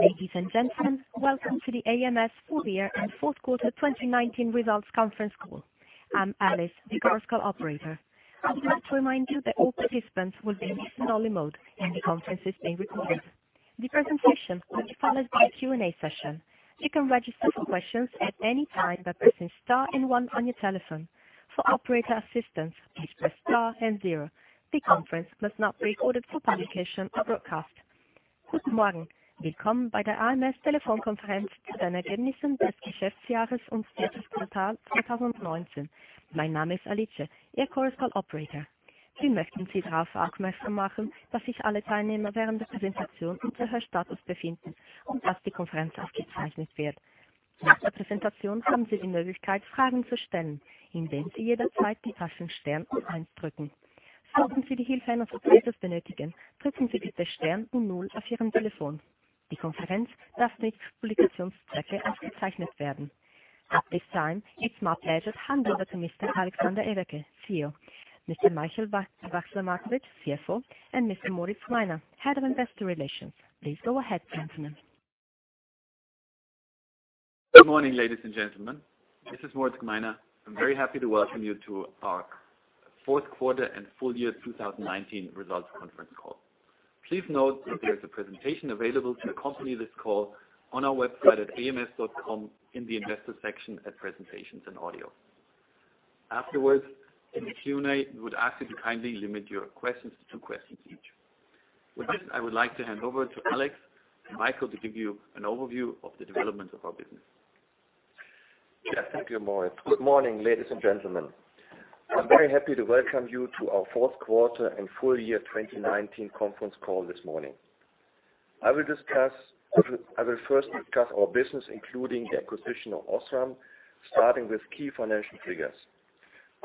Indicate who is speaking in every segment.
Speaker 1: Ladies and gentlemen, welcome to the ams full year and fourth quarter 2019 results conference call. I'm Alice, the conference call operator. I would like to remind you that all participants will be in listen-only mode, and the conference is being recorded. The presentation will be followed by a Q&A session. You can register for questions at any time by pressing star and one on your telephone. For operator assistance, please press star and zero. The conference must not be recorded for publication or broadcast. At this time, it's my pleasure to hand over to Mr. Alexander Everke, CEO, Mr. Michael Wachsler-Markowitsch, CFO, and Mr. Moritz Gmeiner, Head of Investor Relations. Please go ahead, gentlemen.
Speaker 2: Good morning, ladies and gentlemen. This is Moritz Gmeiner. I'm very happy to welcome you to our fourth quarter and full year 2019 results conference call. Please note that there is a presentation available to accompany this call on our website at ams.com in the Investor section at presentations and audio. Afterwards, in the Q&A, we would ask you to kindly limit your questions to two questions each. With this, I would like to hand over to Alex and Michael to give you an overview of the development of our business.
Speaker 3: Thank you, Moritz. Good morning, ladies and gentlemen. I am very happy to welcome you to our fourth quarter and full year 2019 conference call this morning. I will first discuss our business, including the acquisition of OSRAM, starting with key financial figures.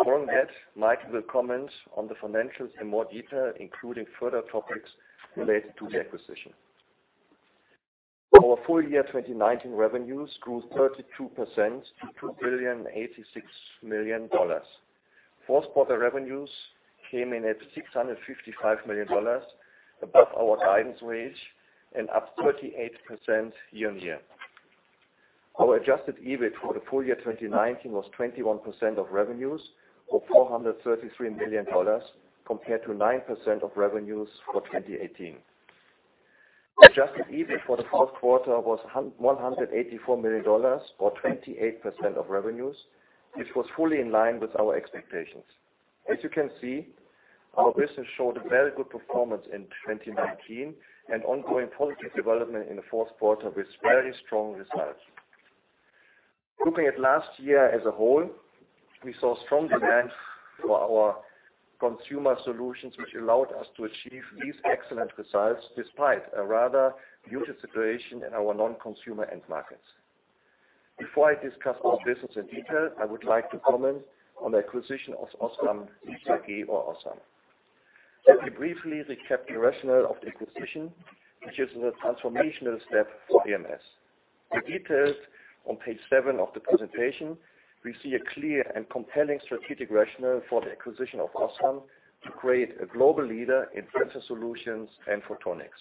Speaker 3: Following that, Michael will comment on the financials in more detail, including further topics related to the acquisition. Our full year 2019 revenues grew 32% to $2.086 billion. Fourth quarter revenues came in at $655 million above our guidance range and up 38% year-on-year. Our adjusted EBIT for the full year 2019 was 21% of revenues, or $433 million, compared to 9% of revenues for 2018. Adjusted EBIT for the fourth quarter was $184 million or 28% of revenues, which was fully in line with our expectations. As you can see, our business showed a very good performance in 2019 and ongoing positive development in the fourth quarter with very strong results. Looking at last year as a whole, we saw strong demand for our consumer solutions, which allowed us to achieve these excellent results despite a rather muted situation in our non-consumer end markets. Before I discuss our business in detail, I would like to comment on the acquisition of OSRAM. Let me briefly recap the rationale of the acquisition, which is a transformational step for ams. For details on page seven of the presentation, we see a clear and compelling strategic rationale for the acquisition of OSRAM to create a global leader in sensor solutions and photonics.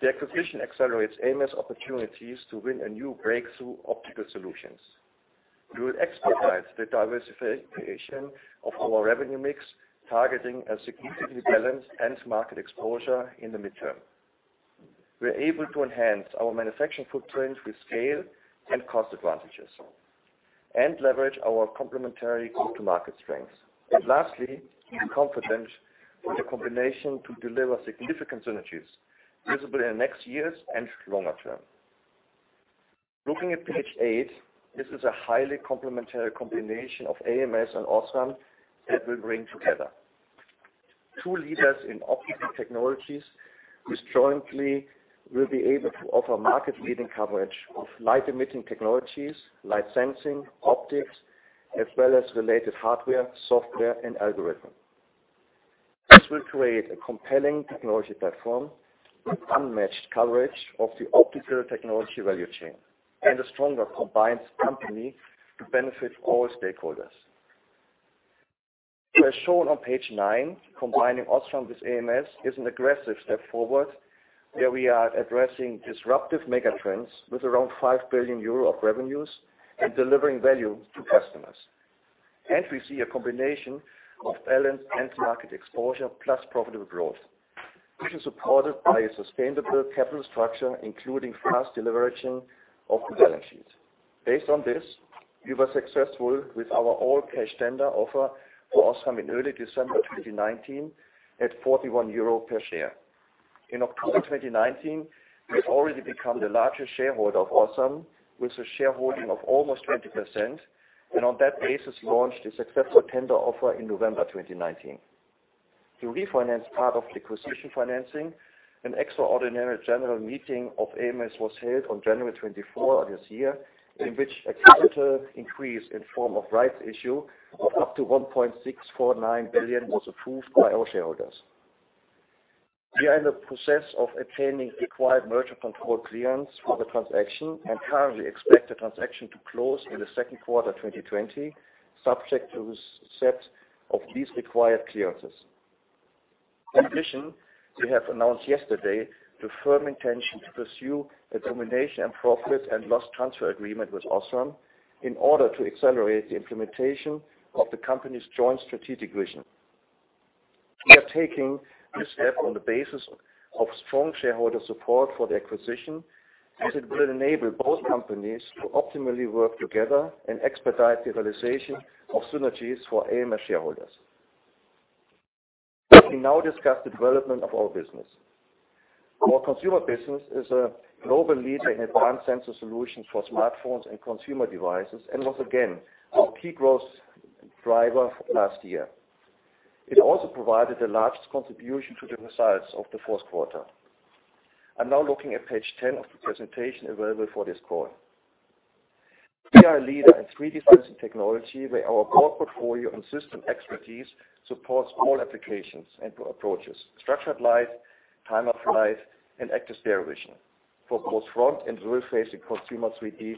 Speaker 3: The acquisition accelerates ams opportunities to win new breakthrough optical solutions. We will expedite the diversification of our revenue mix, targeting a significantly balanced end market exposure in the midterm. We're able to enhance our manufacturing footprint with scale and cost advantages and leverage our complementary go-to-market strengths. Lastly, we are confident with the combination to deliver significant synergies visible in the next years and longer term. Looking at page eight, this is a highly complementary combination of ams and OSRAM that will bring together two leaders in optical technologies, which jointly will be able to offer market-leading coverage of light-emitting technologies, light sensing, optics, as well as related hardware, software, and algorithm. This will create a compelling technology platform with unmatched coverage of the optical technology value chain and a stronger combined company to benefit all stakeholders. As shown on page nine, combining OSRAM with ams is an aggressive step forward where we are addressing disruptive megatrends with around 5 billion euro of revenues and delivering value to customers. We see a combination of balanced end market exposure plus profitable growth, which is supported by a sustainable capital structure, including fast deleveraging of the balance sheet. Based on this, we were successful with our all-cash tender offer for OSRAM in early December 2019 at 41 euro per share. In October 2019, we'd already become the largest shareholder of OSRAM with a shareholding of almost 20%, On that basis, launched a successful tender offer in November 2019. To refinance part of the acquisition financing, an extraordinary general meeting of ams was held on January 24 of this year, in which a capital increase in form of rights issue of up to 1.649 billion was approved by our shareholders. We are in the process of obtaining required merger control clearance for the transaction and currently expect the transaction to close in the second quarter 2020, subject to the set of these required clearances. We have announced yesterday the firm intention to pursue a termination and Profit and Loss Transfer Agreement with OSRAM in order to accelerate the implementation of the company's joint strategic vision. We are taking this step on the basis of strong shareholder support for the acquisition, as it will enable both companies to optimally work together and expedite the realization of synergies for ams shareholders. Let me now discuss the development of our business. Our consumer business is a global leader in advanced sensor solutions for smartphones and consumer devices, and was again, our key growth driver last year. It also provided the largest contribution to the results of the fourth quarter. I'm now looking at page 10 of the presentation available for this call. We are a leader in 3D sensing technology, where our broad portfolio and system expertise supports all applications and approaches, structured light, time-of-flight, and active stereo vision for both front and rear-facing consumer 3D.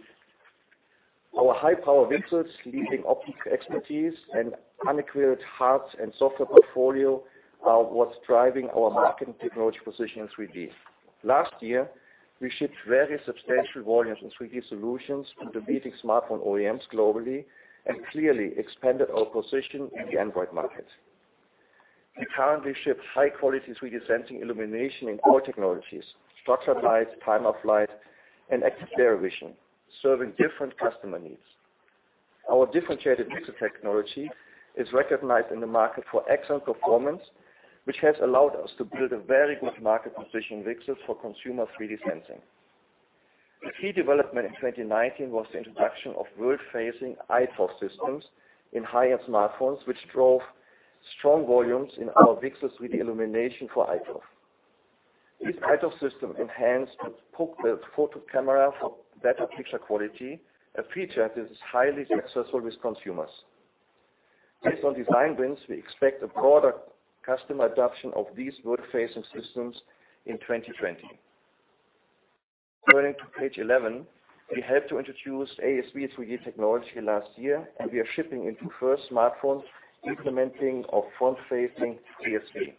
Speaker 3: Our high-power VCSELs, leading optics expertise, and unequaled hard and software portfolio are what's driving our market and technology position in 3D. Last year, we shipped very substantial volumes in 3D solutions into leading smartphone OEMs globally, and clearly expanded our position in the Android market. We currently ship high-quality 3D sensing illumination in all technologies, structured light, time-of-flight, and active stereo vision, serving different customer needs. Our differentiated VCSEL technology is recognized in the market for excellent performance, which has allowed us to build a very good market position in VCSELs for consumer 3D sensing. The key development in 2019 was the introduction of world-facing iToF systems in high-end smartphones, which drove strong volumes in our VCSEL 3D illumination for iToF. This iToF system enhanced the photo camera for better picture quality, a feature that is highly successful with consumers. Based on design wins, we expect a broader customer adoption of these world-facing systems in 2020. Turning to page 11, we helped to introduce ASV 3D technology last year, and we are shipping into first smartphones implementing our front-facing ASV.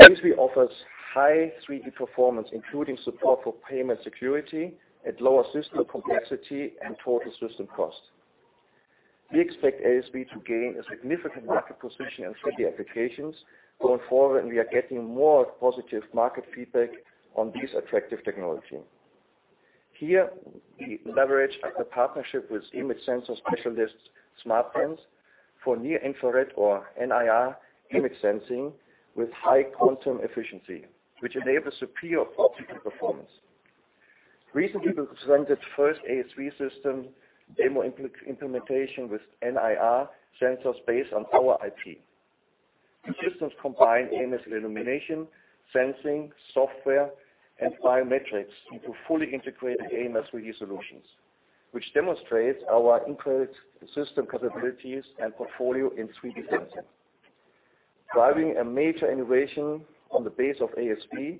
Speaker 3: ASV offers high 3D performance, including support for payment security at lower system complexity and total system cost. We expect ASV to gain a significant market position in 3D applications going forward, and we are getting more positive market feedback on this attractive technology. Here, we leverage the partnership with image sensor specialists SmartSens for near-infrared, or NIR, image sensing with high quantum efficiency, which enables superior optical performance. Recently, we presented first ASV system demo implementation with NIR sensors based on our IP. The systems combine ams illumination, sensing, software, and biometrics into fully integrated ams 3D solutions, which demonstrates our increased system capabilities and portfolio in 3D sensing. Driving a major innovation on the base of ASV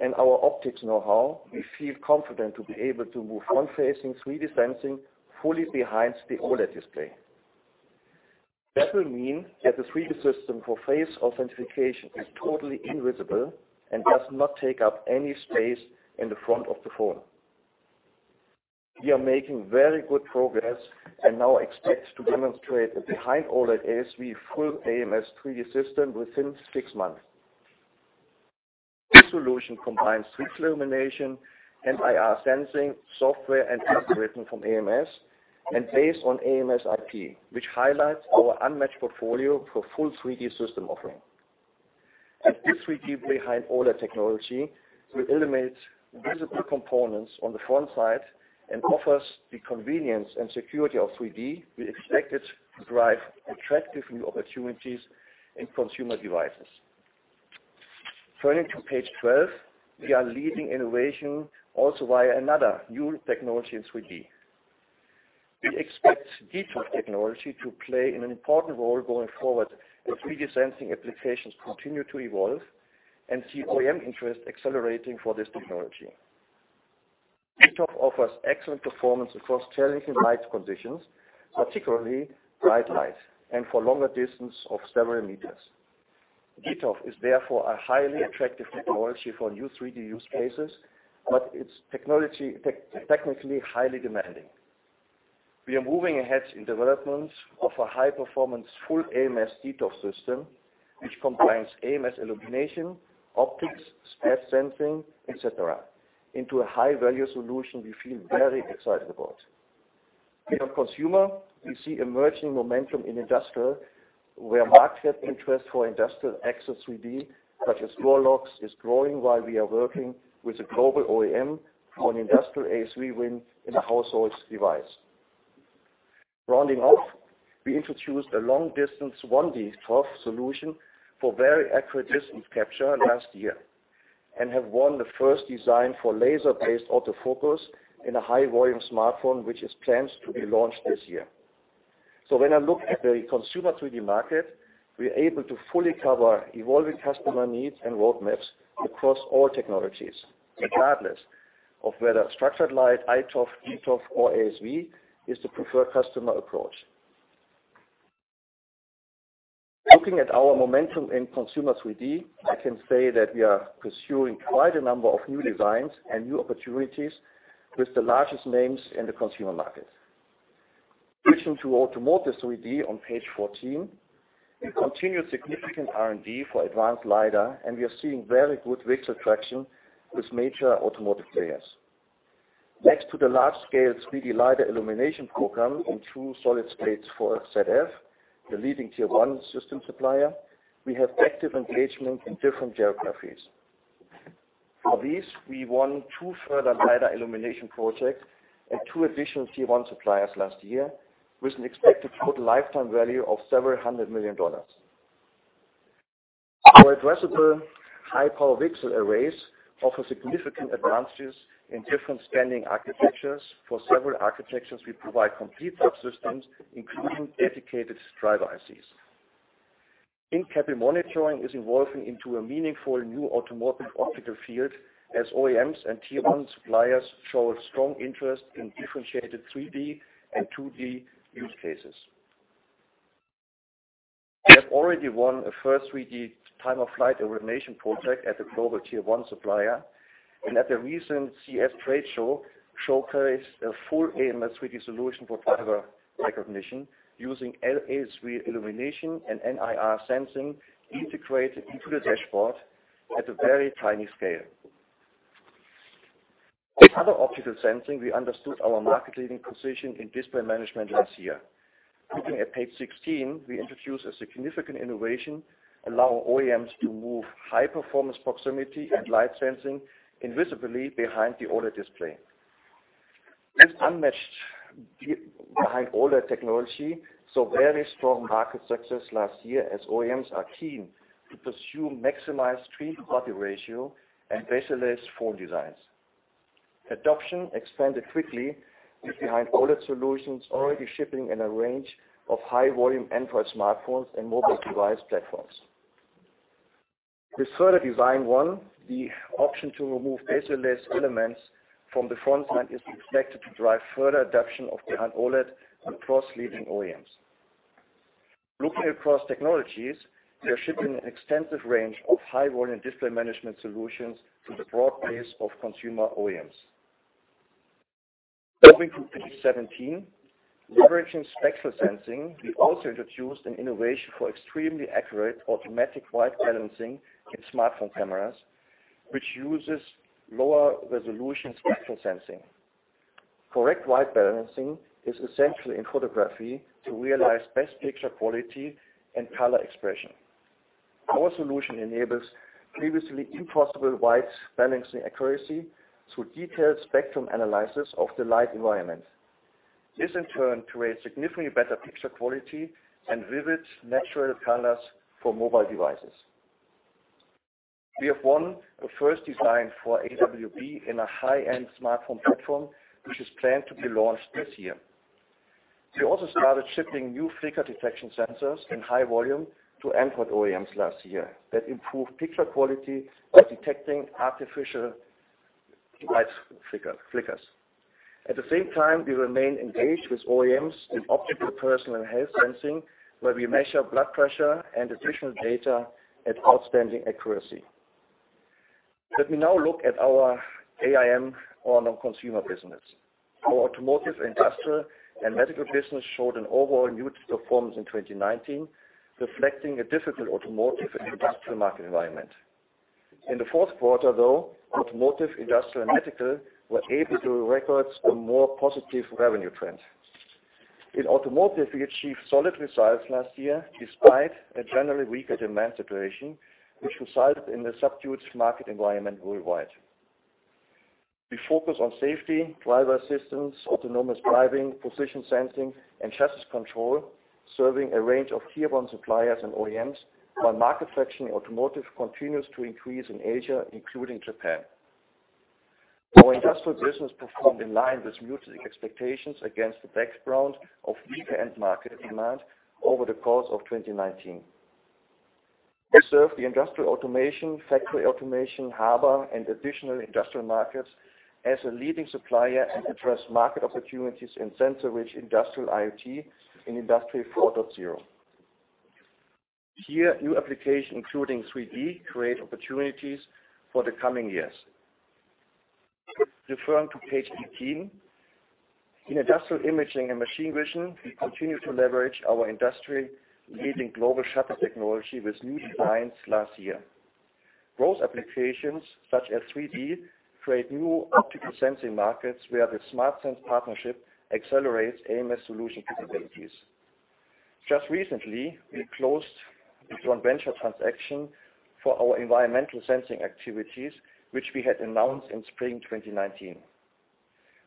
Speaker 3: and our optics know-how, we feel confident to be able to move front-facing 3D sensing fully behind the OLED display. That will mean that the 3D system for face authentication is totally invisible and does not take up any space in the front of the phone. We are making very good progress and now expect to demonstrate a Behind OLED ASV full ams 3D system within six months. This solution combines 3D illumination, NIR sensing, software, and software written from ams, and based on ams IP, which highlights our unmatched portfolio for full 3D system offering. This 3D Behind OLED technology will eliminate visible components on the front side and offers the convenience and security of 3D. We expect it to drive attractive new opportunities in consumer devices. Turning to page 12, we are leading innovation also via another new technology in 3D. We expect dToF technology to play an important role going forward as 3D sensing applications continue to evolve and see OEM interest accelerating for this technology. DToF offers excellent performance across challenging light conditions, particularly bright light, and for longer distance of several meters. dToF is therefore a highly attractive technology for new 3D use cases, but it's technically highly demanding. We are moving ahead in development of a high-performance full ams dToF system, which combines ams illumination, optics, sensing, et cetera, into a high-value solution we feel very excited about. Beyond consumer, we see emerging momentum in industrial, where market interest for industrial access 3D, such as door locks, is growing while we are working with a global OEM on industrial ASV win in a household device. Rounding off, we introduced a long-distance 1D ToF solution for very accurate distance capture last year and have won the first design for laser-based autofocus in a high-volume smartphone, which is planned to be launched this year. When I look at the consumer 3D market, we are able to fully cover evolving customer needs and roadmaps across all technologies, regardless of whether structured light, iToF, dToF, or ASV is the preferred customer approach. Looking at our momentum in consumer 3D, I can say that we are pursuing quite a number of new designs and new opportunities with the largest names in the consumer market. Switching to automotive 3D on page 14, we continue significant R&D for advanced LiDAR, and we are seeing very good VCSEL traction with major automotive players. Next to the large-scale 3D LiDAR illumination program and true solid states for ZF, the leading Tier 1 system supplier, we have active engagement in different geographies. For these, we won two further LiDAR illumination projects and 2 additional Tier 1 suppliers last year, with an expected total lifetime value of several hundred million dollars. Our addressable high-power VCSEL arrays offer significant advances in different scanning architectures. For several architectures, we provide complete subsystems, including dedicated driver ICs. In-cabin monitoring is evolving into a meaningful new automotive optical field as OEMs and Tier 1 suppliers show a strong interest in differentiated 3D and 2D use cases. We have already won a first 3D time-of-flight illumination project at a global Tier 1 supplier, and at the recent CES trade show, showcased a full ams 3D solution for driver recognition using ASV illumination and NIR sensing integrated into the dashboard at a very tiny scale. In other optical sensing, we understood our market-leading position in display management last year. Looking at page 16, we introduced a significant innovation, allowing OEMs to move high-performance proximity and light sensing invisibly behind-the-OLED display. This unmatched Behind OLED technology, saw very strong market success last year as OEMs are keen to pursue maximized screen-to-body ratio and bezel-less phone designs. Adoption expanded quickly, with Behind OLED solutions already shipping in a range of high-volume Android smartphones and mobile device platforms. With further design won, the option to remove bezel-less elements from the front end is expected to drive further adoption of Behind OLED across leading OEMs. Looking across technologies, we are shipping an extensive range of high-volume display management solutions to the broad base of consumer OEMs. Moving to page 17, leveraging spectral sensing, we also introduced an innovation for extremely accurate automatic white balancing in smartphone cameras, which uses lower-resolution spectral sensing. Correct white balancing is essential in photography to realize best picture quality and color expression. Our solution enables previously impossible white balancing accuracy through detailed spectrum analysis of the light environment. This, in turn, creates significantly better picture quality and vivid, natural colors for mobile devices. We have won the first design for AWB in a high-end smartphone platform, which is planned to be launched this year. We also started shipping new flicker detection sensors in high volume to Android OEMs last year that improve picture quality by detecting artificial light flickers. At the same time, we remain engaged with OEMs in optical personal health sensing, where we measure blood pressure and additional data at outstanding accuracy. Let me now look at our AIM or non-consumer business. Our automotive, industrial, and medical business showed an overall muted performance in 2019, reflecting a difficult automotive and industrial market environment. In the fourth quarter, though, automotive, industrial, and medical were able to record a more positive revenue trend. In automotive, we achieved solid results last year despite a generally weaker demand situation, which resulted in a subdued market environment worldwide. We focus on safety, driver assistance, autonomous driving, position sensing, and chassis control, serving a range of Tier 1 suppliers and OEMs, while market traction in automotive continues to increase in Asia, including Japan. Our industrial business performed in line with muted expectations against the background of weaker end-market demand over the course of 2019. We serve the industrial automation, factory automation, harbor, and additional industrial markets as a leading supplier and address market opportunities in sensor-rich industrial IoT in Industry 4.0. Here, new applications including 3D create opportunities for the coming years. Referring to page 18, in industrial imaging and machine vision, we continue to leverage our industry-leading global shutter technology with new designs last year. Growth applications such as 3D create new optical sensing markets, where the SmartSens partnership accelerates ams solution capabilities. Just recently, we closed the joint venture transaction for our environmental sensing activities, which we had announced in spring 2019.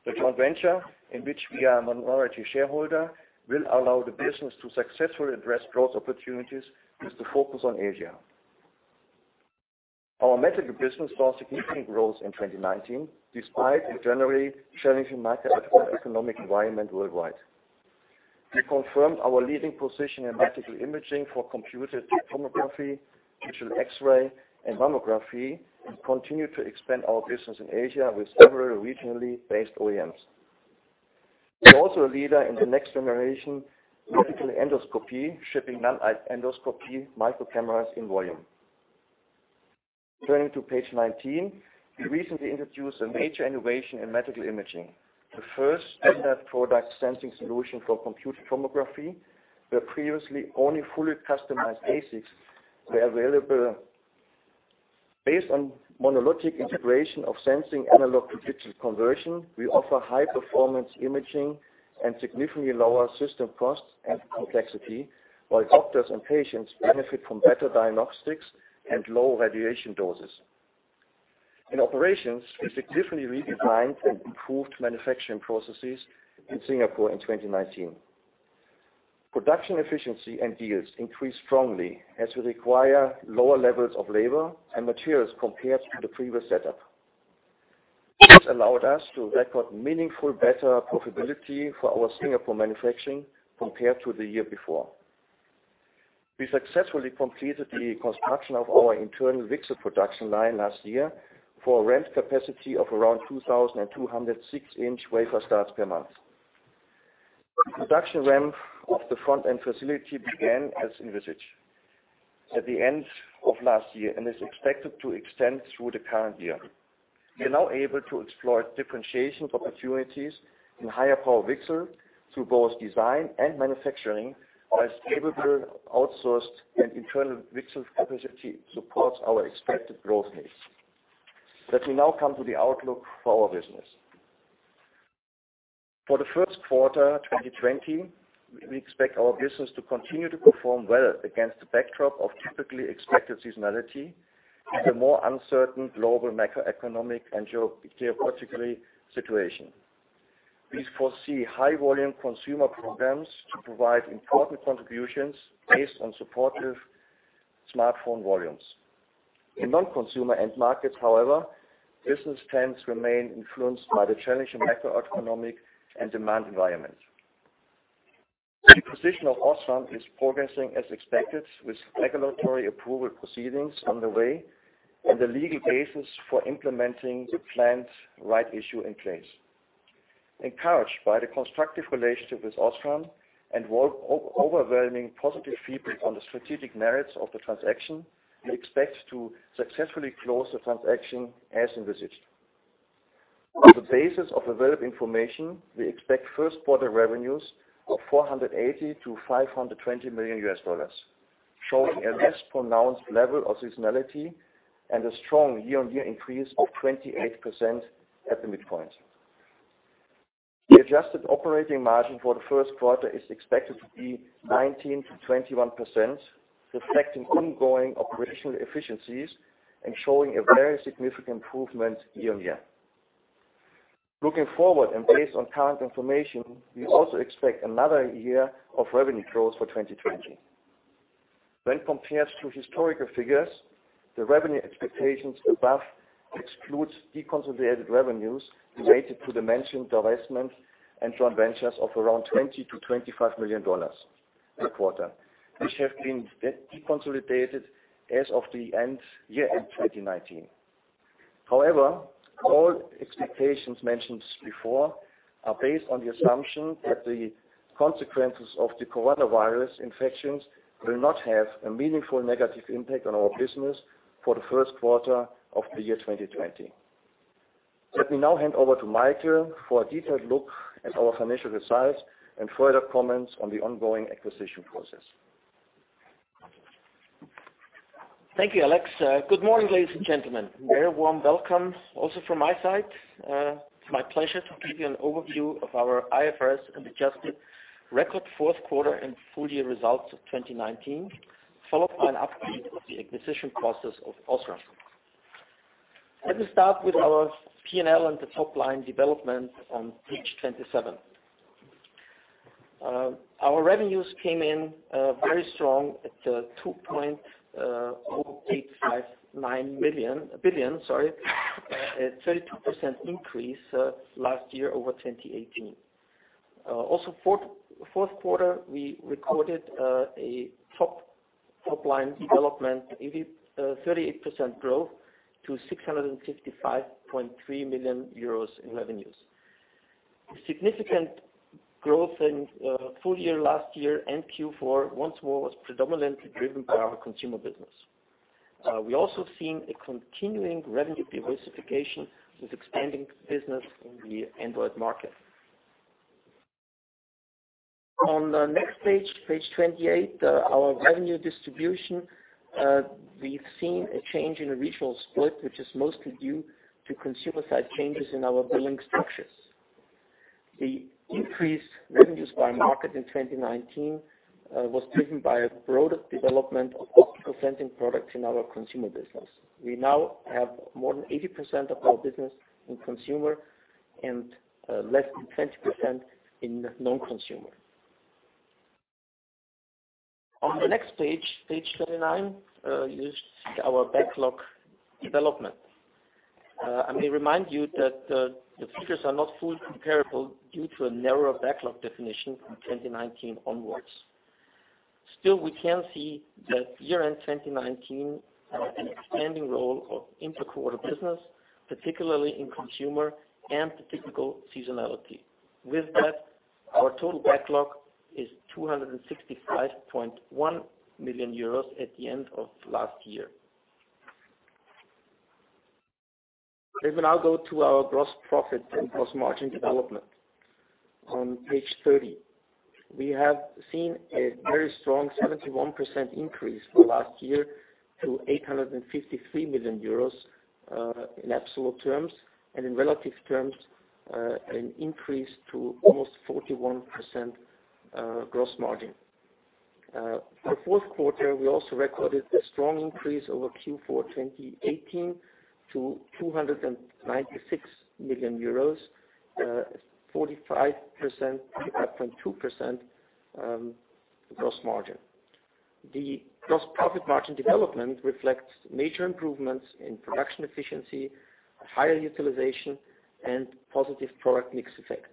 Speaker 3: The joint venture, in which we are a minority shareholder, will allow the business to successfully address growth opportunities with a focus on Asia. Our medical business saw significant growth in 2019, despite a generally challenging macro-economic environment worldwide. We confirmed our leading position in medical imaging for computed tomography, digital X-ray, and mammography, and continue to expand our business in Asia with several regionally based OEMs. We're also a leader in the next generation medical endoscopy, shipping endoscope micro cameras in volume. Turning to page 19, we recently introduced a major innovation in medical imaging. The first in that product sensing solution for computed tomography, where previously only fully customized ASICs were available. Based on monolithic integration of sensing analog-to-digital conversion, we offer high performance imaging and significantly lower system costs and complexity, while doctors and patients benefit from better diagnostics and low radiation doses. In operations, we significantly redesigned and improved manufacturing processes in Singapore in 2019. Production efficiency and yields increased strongly as we require lower levels of labor and materials compared to the previous setup. This allowed us to record meaningful better profitability for our Singapore manufacturing compared to the year before. We successfully completed the construction of our internal VCSEL production line last year for a ramp capacity of around 2,200 6-in wafer starts per month. The production ramp of the front-end facility began as envisaged at the end of last year and is expected to extend through the current year. We are now able to explore differentiation opportunities in higher power VCSEL through both design and manufacturing, while scalable outsourced and internal VCSEL capacity supports our expected growth needs. Let me now come to the outlook for our business. For the first quarter 2020, we expect our business to continue to perform well against the backdrop of typically expected seasonality and a more uncertain global macroeconomic and geopolitical situation. We foresee high volume consumer programs to provide important contributions based on supportive smartphone volumes. In non-consumer end markets, however, business trends remain influenced by the challenging macroeconomic and demand environment. The acquisition of OSRAM is progressing as expected, with regulatory approval proceedings underway and the legal basis for implementing the planned right issue in place. Encouraged by the constructive relationship with OSRAM and overwhelming positive feedback on the strategic merits of the transaction, we expect to successfully close the transaction as envisaged. On the basis of available information, we expect first quarter revenues of $480 million-$520 million, showing a less pronounced level of seasonality and a strong year-on-year increase of 28% at the midpoint. The adjusted operating margin for the first quarter is expected to be 19%-21%, reflecting ongoing operational efficiencies and showing a very significant improvement year-on-year. Looking forward and based on current information, we also expect another year of revenue growth for 2020. When compared to historical figures, the revenue expectations above excludes deconsolidated revenues related to the mentioned divestments and joint ventures of around $20 million-$25 million per quarter, which have been deconsolidated as of the year-end 2019. However, all expectations mentioned before are based on the assumption that the consequences of the coronavirus infections will not have a meaningful negative impact on our business for the first quarter of the year 2020. Let me now hand over to Michael for a detailed look at our financial results and further comments on the ongoing acquisition process.
Speaker 4: Thank you, Alex. Good morning, ladies and gentlemen. A very warm welcome also from my side. It's my pleasure to give you an overview of our IFRS adjusted record fourth quarter and full-year results of 2019, followed by an update of the acquisition process of OSRAM. Let me start with our P&L and the top-line development on page 27. Our revenues came in very strong at $2.0859 billion. A 32% increase last year over 2018. Fourth quarter, we recorded a top-line development, 38% growth to $655.3 million in revenues. Significant growth in full-year last year, Q4 once more was predominantly driven by our consumer business. We also seen a continuing revenue diversification with expanding business in the Android market. On the next page 28, our revenue distribution. We've seen a change in the regional split, which is mostly due to consumer-side changes in our billing structures. The increased revenues by market in 2019 was driven by a broad development of optical sensing products in our consumer business. We now have more than 80% of our business in consumer and less than 20% in non-consumer. On the next page 29, you see our backlog development. I may remind you that the figures are not fully comparable due to a narrower backlog definition from 2019 onwards. Still, we can see that year-end 2019 had an expanding role of inter-quarter business, particularly in consumer and the typical seasonality. With that, our total backlog is 265.1 million euros at the end of last year. Let me now go to our gross profit and gross margin development on page 30. We have seen a very strong 71% increase from last year to 853 million euros in absolute terms. In relative terms, an increase to almost 41% gross margin. For the fourth quarter, we also recorded a strong increase over Q4 2018 to EUR 296 million, 45.2% gross margin. The gross profit margin development reflects major improvements in production efficiency, higher utilization, and positive product mix effects.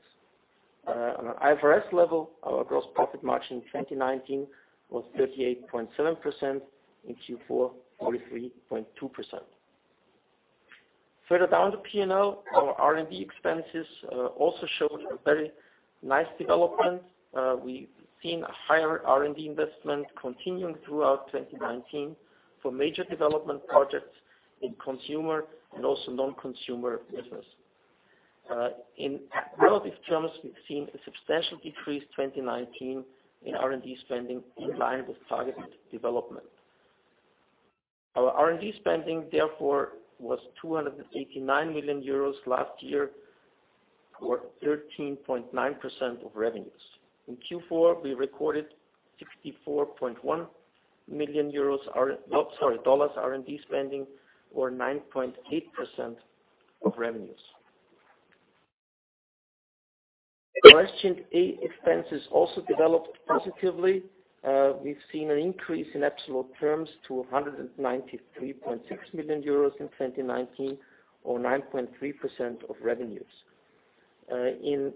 Speaker 4: On an IFRS level, our gross profit margin in 2019 was 38.7%, in Q4, 43.2%. Further down the P&L, our R&D expenses also showed a very nice development. We've seen a higher R&D investment continuing throughout 2019 for major development projects in consumer and also non-consumer business. In relative terms, we've seen a substantial decrease 2019 in R&D spending in line with targeted development. Our R&D spending, therefore, was 289 million euros last year, or 13.9% of revenues. In Q4, we recorded $64.1 million R&D spending, or 9.8% of revenues. S&A expenses also developed positively. We've seen an increase in absolute terms to 193.6 million euros in 2019, or 9.3% of revenues. In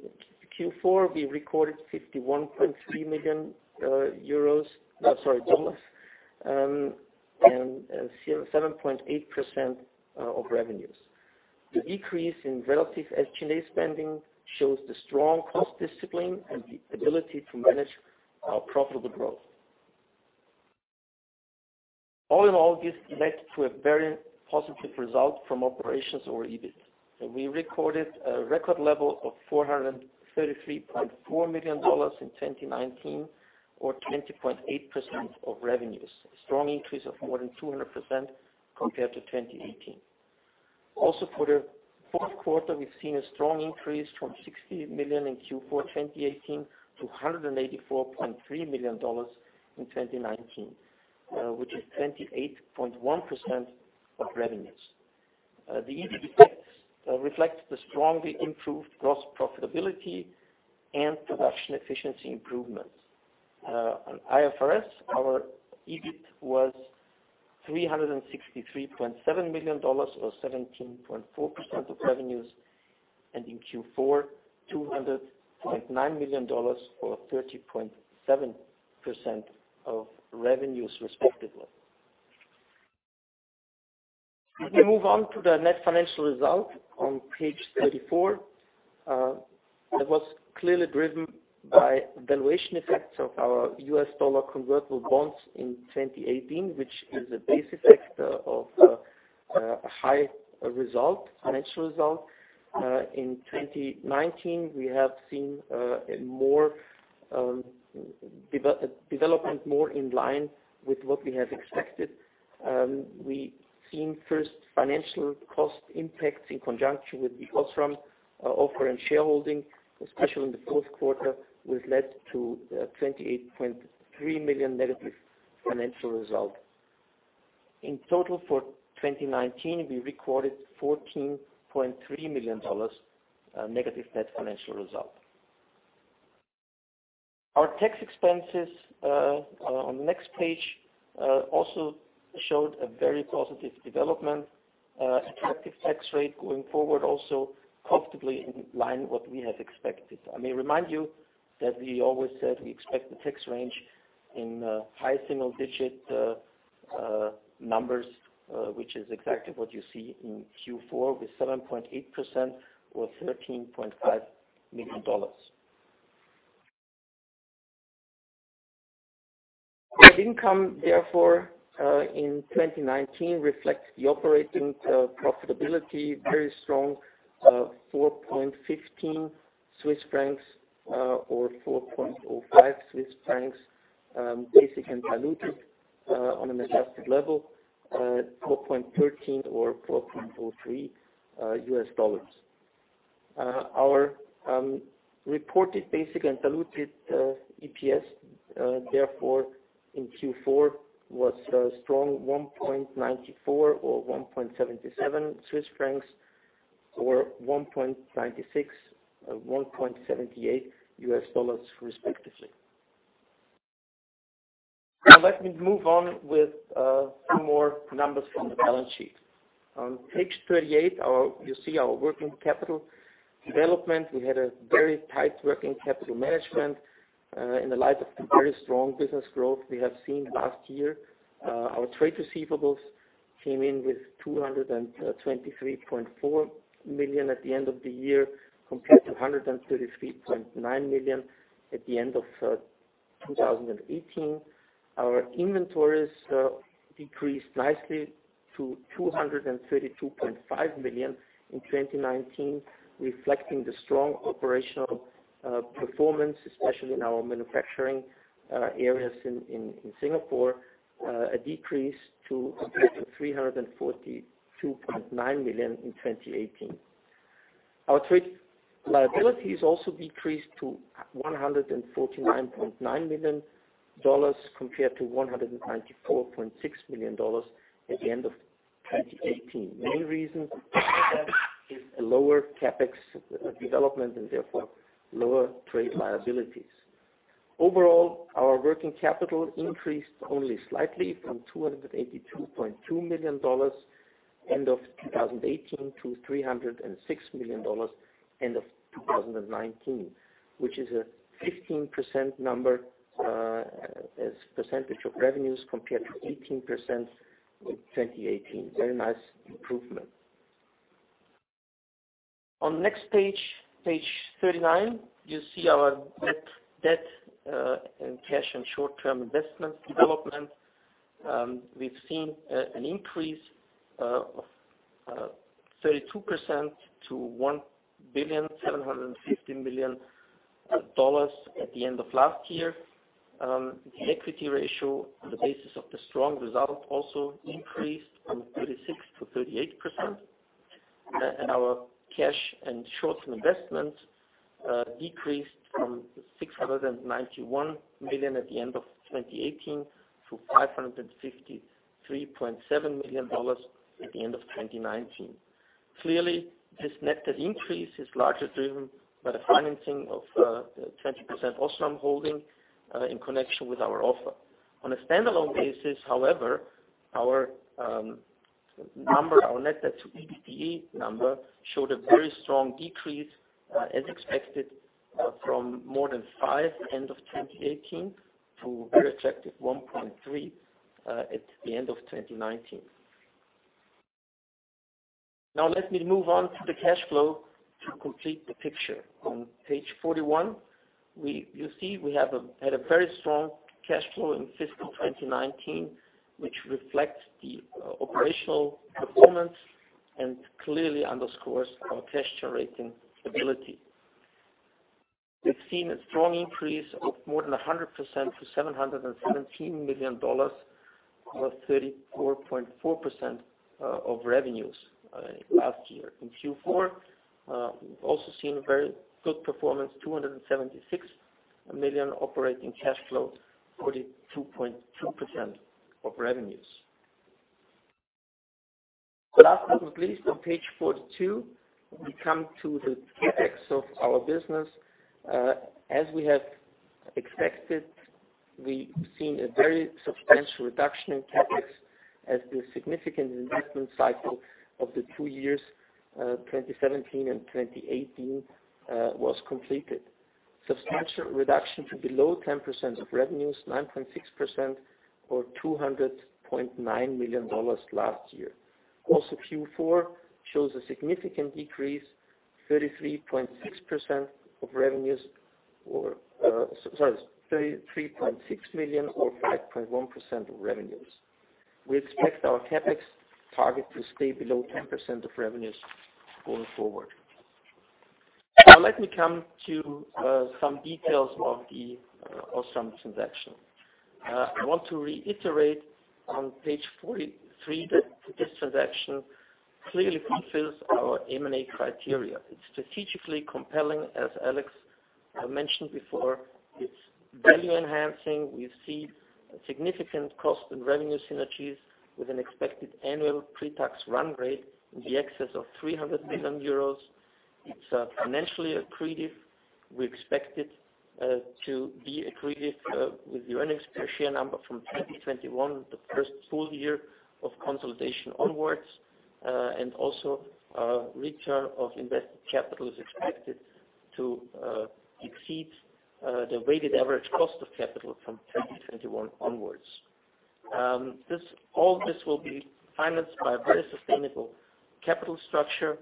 Speaker 4: Q4, we recorded $51.3 million and 7.8% of revenues. The decrease in relative S&A spending shows the strong cost discipline and the ability to manage our profitable growth. All in all, this led to a very positive result from operations or EBIT. We recorded a record level of $433.4 million in 2019, or 20.8% of revenues. A strong increase of more than 200% compared to 2018. Also for the fourth quarter, we've seen a strong increase from $60 million in Q4 2018 $184.3 million in 2019, which is 28.1% of revenues. The EBIT reflects the strongly improved gross profitability and production efficiency improvements. On IFRS, our EBIT was $363.7 million or 17.4% of revenues, and in Q4, $200.9 million or 30.7% of revenues respectively. If we move on to the net financial result on page 34, it was clearly driven by valuation effects of our U.S. dollar convertible bonds in 2018, which is a base effect of a high financial result. In 2019, we have seen a development more in line with what we have expected. We seen first financial cost impacts in conjunction with the OSRAM offer and shareholding, especially in the fourth quarter, which led to a $28.3 million negative financial result. In total for 2019, we recorded $14.3 million negative net financial result. Our tax expenses, on the next page, also showed a very positive development. Effective tax rate going forward also comfortably in line what we have expected. I may remind you that we always said we expect the tax range in high single-digit numbers, which is exactly what you see in Q4 with 7.8% or $13.5 million. Net income, therefore, in 2019 reflects the operating profitability, very strong, 4.15 Swiss francs or 4.05 Swiss francs, basic and diluted on an adjusted level, $4.13 or $4.03. Our reported basic and diluted EPS, therefore, in Q4 was a strong 1.94 or 1.77 Swiss francs, or $1.96, $1.78 respectively. Let me move on with a few more numbers from the balance sheet. On page 38, you see our working capital development. We had a very tight working capital management in the light of the very strong business growth we have seen last year. Our trade receivables came in with $223.4 million at the end of the year, compared to $133.9 million at the end of 2018. Our inventories decreased nicely to $232.5 million in 2019, reflecting the strong operational performance, especially in our manufacturing areas in Singapore, a decrease compared to $342.9 million in 2018. Our trade liabilities also decreased to $149.9 million compared to $194.6 million at the end of 2018. The main reason for that is a lower CapEx development and therefore lower trade liabilities. Overall, our working capital increased only slightly from $282.2 million end of 2018 to $306 million end of 2019, which is a 15% number as a percentage of revenues compared to 18% in 2018. Very nice improvement. On next page 39, you see our net debt and cash and short-term investment development. We've seen an increase of 32% to $1,750 million at the end of last year. The equity ratio, on the basis of the strong result, also increased from 36% to 38%. Our cash and short-term investments decreased from $691 million at the end of 2018 to EUR 553.7 million at the end of 2019. Clearly, this net debt increase is largely driven by the financing of the 20% OSRAM holding in connection with our offer. On a standalone basis, however, our net debt to EBITDA number showed a very strong decrease, as expected, from more than 5x end of 2018 to very attractive 1.3x at the end of 2019. Let me move on to the cash flow to complete the picture. On page 41, you see we had a very strong cash flow in fiscal 2019, which reflects the operational performance and clearly underscores our cash-generating ability. We've seen a strong increase of more than 100% to $717 million or 34.4% of revenues last year. In Q4, we've also seen a very good performance, $276 million operating cash flow, 42.2% of revenues. Last but not least, on page 42, we come to the CapEx of our business. As we have expected, we've seen a very substantial reduction in CapEx as the significant investment cycle of the two years, 2017 and 2018, was completed. Substantial reduction to below 10% of revenues, 9.6% or $200.9 million last year. Also, Q4 shows a significant decrease, $33.6 million or 5.1% of revenues. We expect our CapEx target to stay below 10% of revenues going forward. Now let me come to some details of the OSRAM transaction. I want to reiterate on page 43 that this transaction clearly fulfills our M&A criteria. It is strategically compelling, as Alex mentioned before. It is value enhancing. We see significant cost and revenue synergies with an expected annual pre-tax run rate in the excess of 300 million euros. It is financially accretive. We expect it to be accretive with the earnings per share number from 2021, the first full year of consolidation onwards. Return of invested capital is expected to exceed the weighted average cost of capital from 2021 onwards. All this will be financed by a very sustainable capital structure.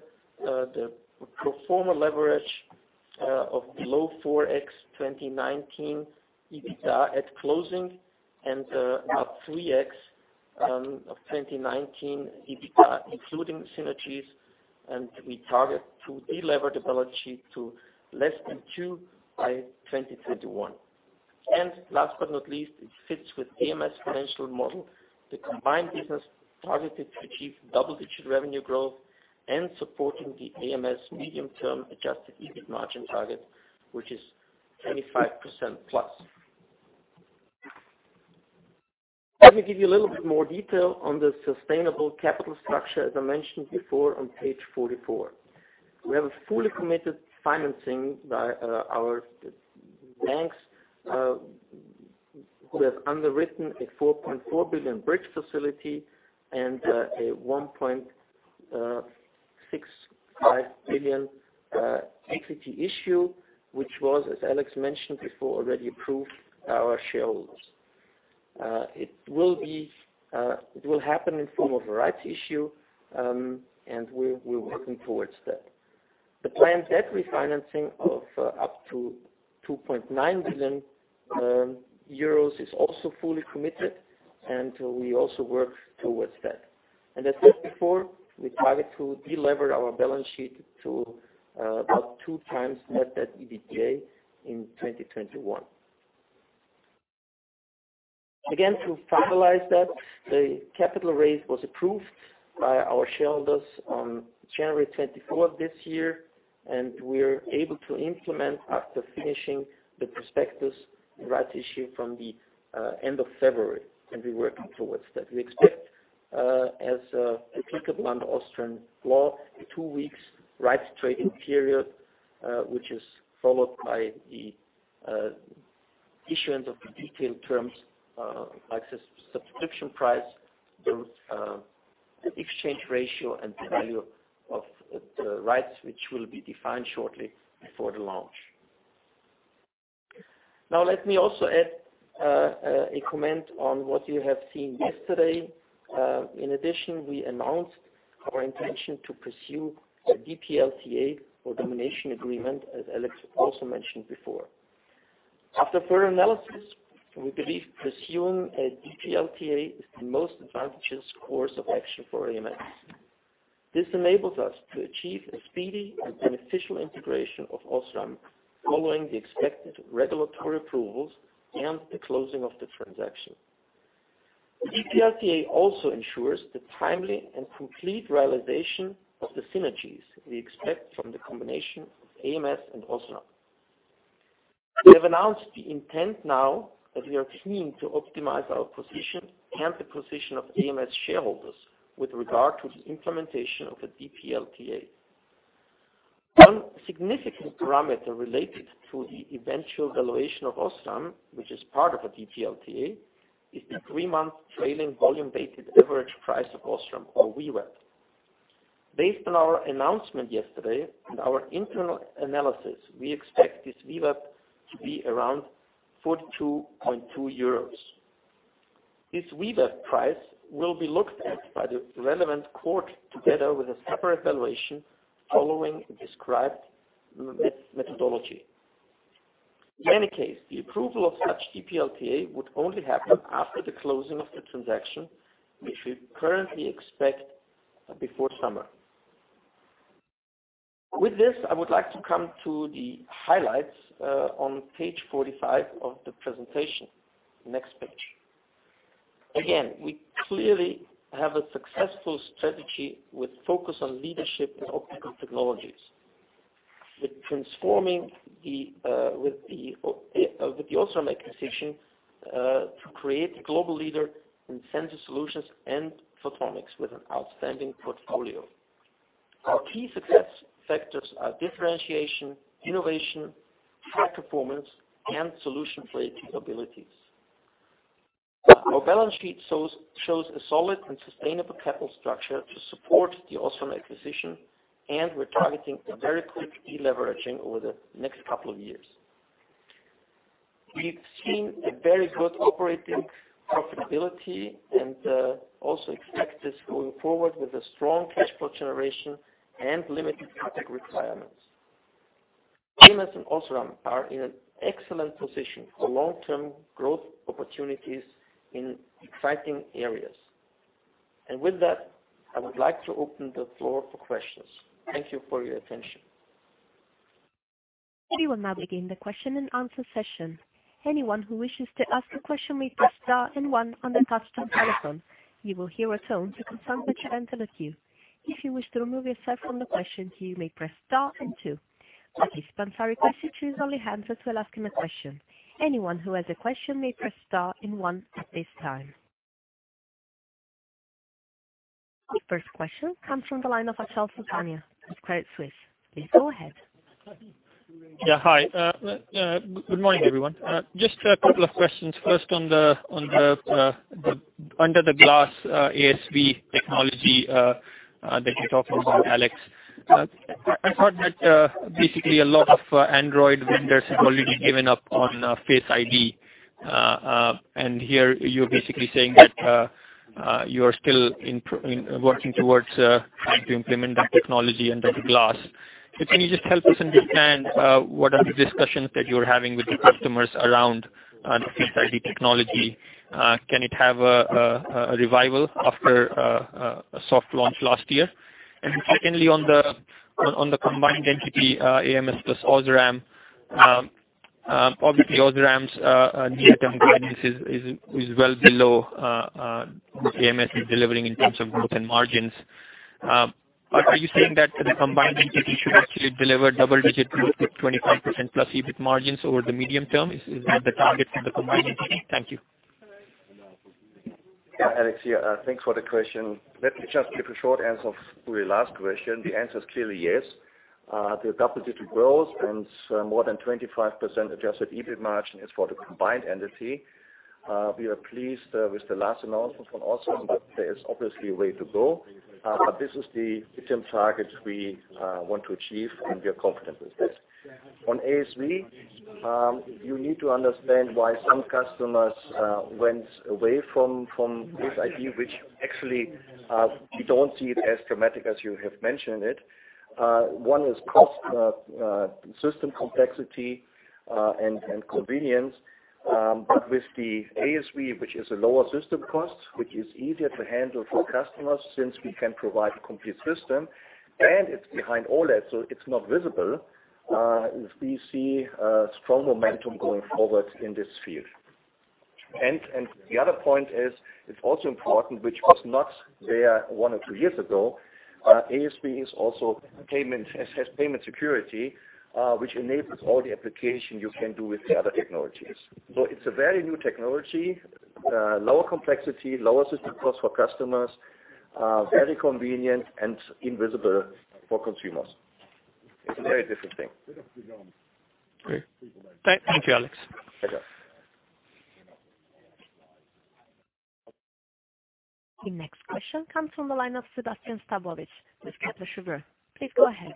Speaker 4: The pro forma leverage of below 4x 2019 EBITDA at closing and about 3x of 2019 EBITDA including synergies, and we target to de-leverage the balance sheet to less than 2x by 2021. Last but not least, it fits with ams financial model, the combined business targeted to achieve double-digit revenue growth and supporting the ams medium-term adjusted EBIT margin target, which is 25%+. Let me give you a little bit more detail on the sustainable capital structure, as I mentioned before on page 44. We have a fully committed financing by our banks, who have underwritten a 4.4 billion bridge facility and a 1.65 billion equity issue, which was, as Alex mentioned before, already approved by our shareholders. It will happen in the form of a rights issue. We're working towards that. The planned debt refinancing of up to 2.9 billion euros is also fully committed, and we also work towards that. As said before, we target to de-lever our balance sheet to about 2x net debt EBITDA in 2021. Again, to finalize that, the capital raise was approved by our shareholders on January 24 of this year, and we're able to implement after finishing the prospectus rights issue from the end of February, and we're working towards that. We expect, as applicable under Austrian law, a two weeks rights trading period, which is followed by the issuance of the detailed terms like subscription price, the exchange ratio, and the value of the rights, which will be defined shortly before the launch. Let me also add a comment on what you have seen yesterday. We announced our intention to pursue a DPLTA or Domination Agreement, as Alex also mentioned before. After further analysis, we believe pursuing a DPLTA is the most advantageous course of action for ams. This enables us to achieve a speedy and beneficial integration of OSRAM following the expected regulatory approvals and the closing of the transaction. DPLTA also ensures the timely and complete realization of the synergies we expect from the combination of ams and OSRAM. We have announced the intent now that we are keen to optimize our position and the position of ams shareholders with regard to the implementation of a DPLTA. One significant parameter related to the eventual valuation of OSRAM, which is part of a DPLTA, is the three-month trailing volume-weighted average price of OSRAM or VWAP. Based on our announcement yesterday and our internal analysis, we expect this VWAP to be around 42.2 euros. This VWAP price will be looked at by the relevant court together with a separate valuation following the described methodology. In any case, the approval of such DPLTA would only happen after the closing of the transaction, which we currently expect before summer. With this, I would like to come to the highlights on page 45 of the presentation. Next page. Again, we clearly have a successful strategy with focus on leadership in optical technologies. With transforming with the OSRAM acquisition, to create a global leader in sensor solutions and photonics with an outstanding portfolio. Our key success factors are differentiation, innovation, high performance, and solution-related abilities. Our balance sheet shows a solid and sustainable capital structure to support the OSRAM acquisition, and we're targeting a very quick de-leveraging over the next couple of years. We've seen a very good operating profitability and also expect this going forward with a strong cash flow generation and limited CapEx requirements. ams and OSRAM are in an excellent position for long-term growth opportunities in exciting areas. With that, I would like to open the floor for questions. Thank you for your attention.
Speaker 1: We will now begin the question-and-answer session. Anyone who wishes to ask a question may press star one on their touch-tone telephone. You will hear a tone to confirm that you entered a queue. If you wish to remove yourself from the question, you may press star two. Participants are requested to use only handsets that will ask him a question. Anyone who has a question may press star one at this time. The first question comes from the line of Achal Sultania with Credit Suisse. Please go ahead.
Speaker 5: Yeah. Hi. Good morning, everyone. Just a couple of questions. First, under the glass ASV technology that you talked about, Alex. I thought that basically a lot of Android vendors have already given up on Face ID. Here you're basically saying that you are still working towards trying to implement that technology under the glass. Can you just help us understand what are the discussions that you're having with the customers around the Face ID technology? Can it have a revival after a soft launch last year? Secondly, on the combined entity, ams + OSRAM, obviously OSRAM's near-term guidance is well below what ams is delivering in terms of growth and margins. Are you saying that the combined entity should actually deliver double-digit growth with 25%+ EBIT margins over the medium term? Is that the target for the combined entity? Thank you.
Speaker 3: Yeah, Alex here. Thanks for the question. Let me just give a short answer for your last question. The answer is clearly yes. The double-digit growth and more than 25% adjusted EBIT margin is for the combined entity. We are pleased with the last announcement from OSRAM, but there is obviously a way to go. This is the medium target we want to achieve, and we are confident with this. On ASV, you need to understand why some customers went away from this idea, which actually we don't see it as dramatic as you have mentioned it. One is cost, system complexity, and convenience. With the ASV, which is a lower system cost, which is easier to handle for customers since we can provide a complete system, and it's behind all that, so it's not visible. We see strong momentum going forward in this field. The other point is, it's also important, which was not there one or two years ago, ASV has payment security, which enables all the application you can do with the other technologies. It's a very new technology, lower complexity, lower system cost for customers, very convenient, and invisible for consumers. It's a very different thing.
Speaker 5: Great. Thank you, Alex.
Speaker 3: Okay.
Speaker 1: The next question comes from the line of Sébastien Sztabowicz with Kepler Cheuvreux. Please go ahead.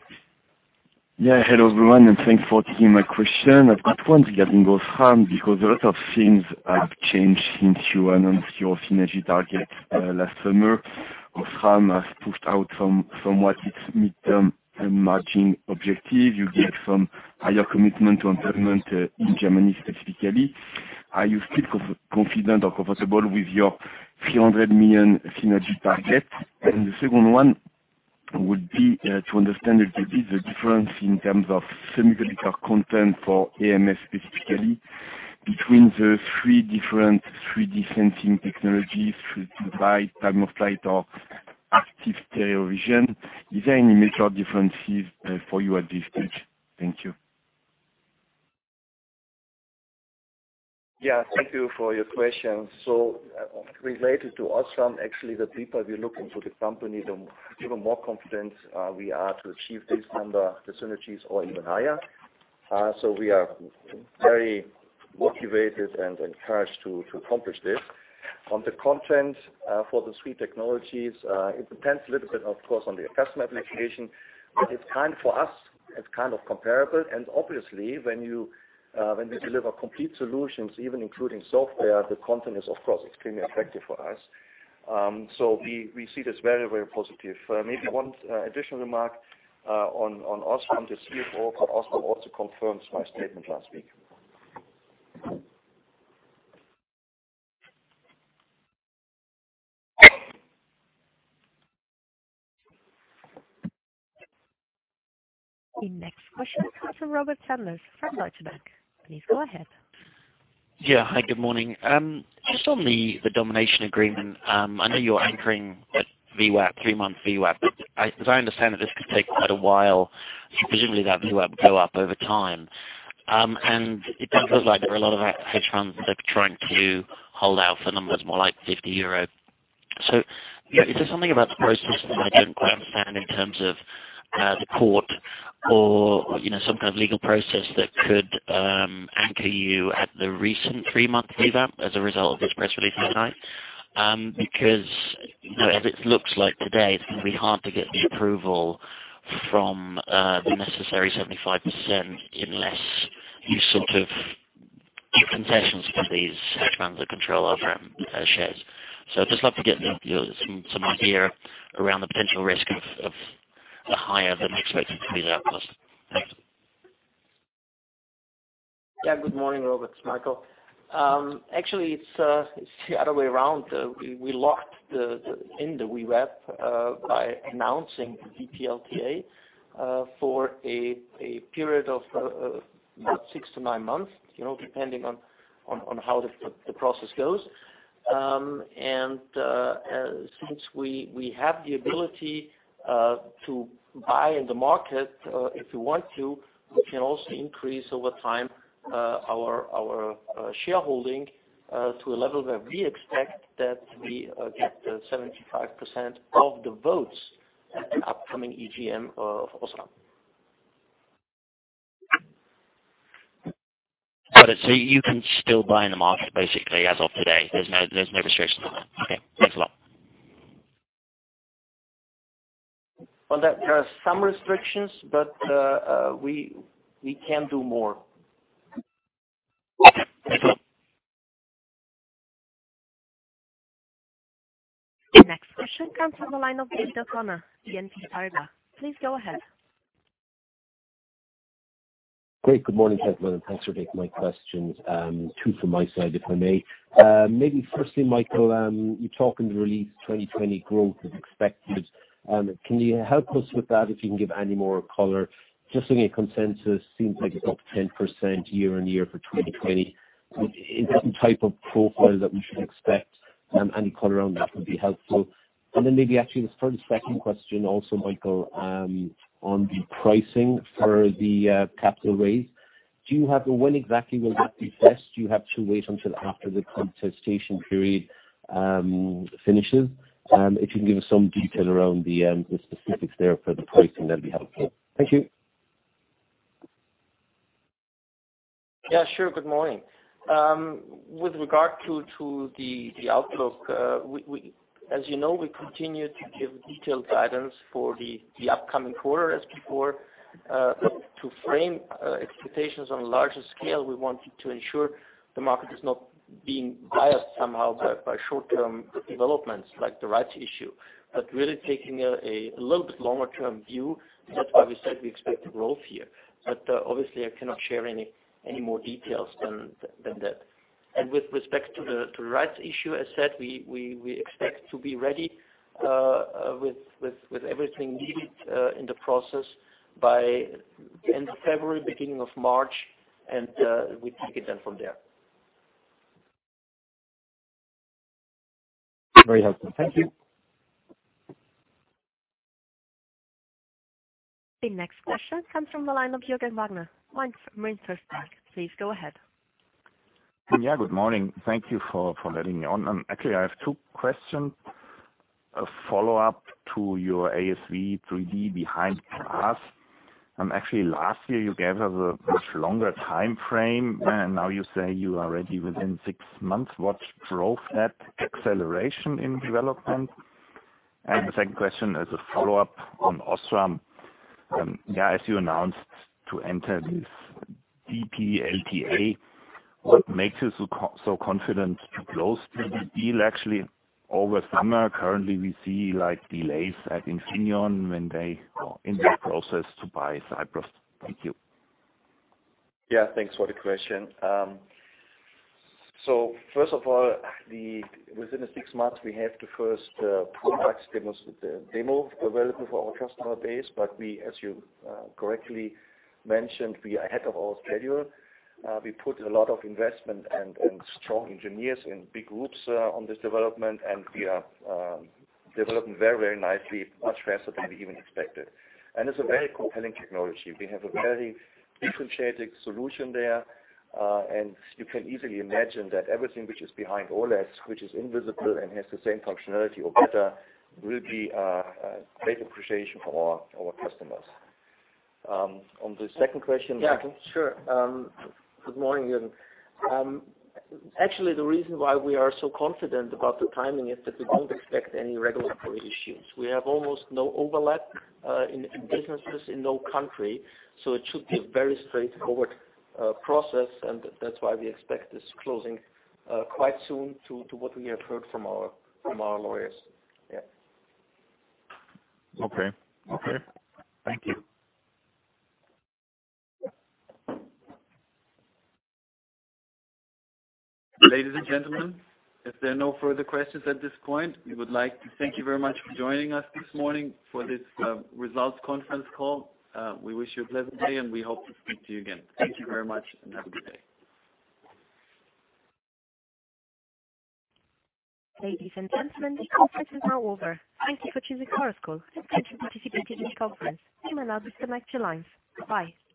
Speaker 6: Yeah. Hello, everyone, and thanks for taking my question. I've got one regarding OSRAM, because a lot of things have changed since you announced your synergy target last summer. OSRAM has pushed out somewhat its midterm margin objective. You gave some higher commitment to impairment in Germany specifically. Are you still confident or comfortable with your 300 million synergy target? The second one would be to understand a little bit the difference in terms of semiconductor content for ams specifically, between the three different 3D sensing technologies, time-of-flight, or active stereo vision. Is there any material differences for you at this stage? Thank you.
Speaker 3: Yeah, thank you for your question. Related to OSRAM, actually, the deeper we look into the company, the more confident we are to achieve this number, the synergies, or even higher. We are very motivated and encouraged to accomplish this. On the content for the three technologies, it depends a little bit, of course, on the customer application. It's time for us, it's kind of comparable. Obviously, when we deliver complete solutions, even including software, the content is, of course, extremely attractive for us. We see this very positive. Maybe one additional remark on OSRAM, the CFO for OSRAM also confirms my statement last week.
Speaker 1: The next question comes from Robert Sanders from Deutsche Bank. Please go ahead.
Speaker 7: Yeah. Hi, good morning. Just on the Domination Agreement, I know you're anchoring at three-month VWAP, but as I understand it, this could take quite a while, presumably that VWAP go up over time. It does look like there are a lot of hedge funds that are trying to hold out for numbers more like [50 euro].
Speaker 4: Yes.
Speaker 7: Is there something about the process that I don't quite understand in terms of the court or some kind of legal process that could anchor you at the recent three-month VWAP as a result of this press release last night? As it looks like today, it's going to be hard to get the approval from the necessary 75% unless you sort of get concessions from these hedge funds that control OSRAM shares. I'd just love to get some idea around the potential risk of a higher than expected VWAP cost. Thanks.
Speaker 4: Yeah. Good morning, Robert. It's Michael. Actually, it's the other way around. We locked in the VWAP by announcing the DPLTA for a period of about six to nine months, depending on how the process goes. Since we have the ability to buy in the market if we want to, we can also increase over time our shareholding to a level that we expect that we get the 75% of the votes at the upcoming EGM of OSRAM.
Speaker 7: Got it. You can still buy in the market basically as of today. There's no restriction on that. Okay. Thanks a lot.
Speaker 4: Well, there are some restrictions, but we can do more.
Speaker 7: Okay. Thanks a lot.
Speaker 1: The next question comes from the line of David O'Connor, BNP Paribas. Please go ahead.
Speaker 8: Great. Good morning, gentlemen. Thanks for taking my questions. Two from my side, if I may. Firstly, Michael, you talk in the release 2020 growth is expected. Can you help us with that, if you can give any more color? Just looking at consensus, seems like it's up to 10% year-on-year for 2020. Is that the type of profile that we should expect? Any color around that would be helpful. Maybe actually the second question also, Michael, on the pricing for the capital raise. When exactly will that be set? Do you have to wait until after the contestation period finishes? If you can give us some detail around the specifics there for the pricing, that'd be helpful. Thank you.
Speaker 4: Yeah, sure. Good morning. With regard to the outlook, as you know, we continue to give detailed guidance for the upcoming quarter as before. To frame expectations on a larger scale, we wanted to ensure the market is not being biased somehow by short-term developments like the rights issue, but really taking a little bit longer-term view. That's why we said we expect growth here. Obviously, I cannot share any more details than that. With respect to the rights issue, as said, we expect to be ready with everything needed in the process by end of February, beginning of March, and we take it then from there.
Speaker 8: Very helpful. Thank you.
Speaker 1: The next question comes from the line of Jürgen Wagner, MainFirst Bank. Please go ahead.
Speaker 9: Good morning. Thank you for letting me on. Actually, I have two questions, a follow-up to your ASV 3D [Behind OLED]. Actually, last year, you gave us a much longer timeframe, and now you say you are ready within six months. What drove that acceleration in development? The second question is a follow-up on OSRAM. As you announced to enter this DPLTA, what makes you so confident to close the deal actually over summer? Currently, we see delays at Infineon when they are in the process to buy Cypress. Thank you.
Speaker 3: Yeah, thanks for the question. First of all, within the six months, we have the first products demo available for our customer base. As you correctly mentioned, we are ahead of our schedule. We put a lot of investment and strong engineers in big groups on this development, and we are developing very nicely, much faster than we even expected. It's a very compelling technology. We have a very differentiated solution there. You can easily imagine that everything which is Behind OLED, which is invisible and has the same functionality or better, will be a great appreciation for our customers. On the second question, Michael?
Speaker 4: Yeah, sure. Good morning, Jürgen. Actually, the reason why we are so confident about the timing is that we don't expect any regulatory issues. We have almost no overlap in businesses in no country, so it should be a very straightforward process, and that's why we expect this closing quite soon to what we have heard from our lawyers. Yeah.
Speaker 9: Okay. Thank you.
Speaker 2: Ladies and gentlemen, if there are no further questions at this point, we would like to thank you very much for joining us this morning for this results conference call. We wish you a pleasant day, and we hope to speak to you again. Thank you very much, and have a good day.
Speaker 1: Ladies and gentlemen, the conference is now over. Thank you for choosing Chorus Call and for participating in the conference. You may now disconnect your lines. Bye.